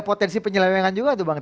potensi penyelewengan juga bang